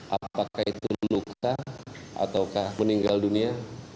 apakah itu luka ataukah meninggal dunia